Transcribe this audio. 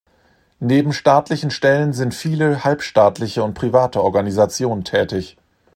Neben staatlichen Stellen sind viele halbstaatliche und private Organisationen tätig.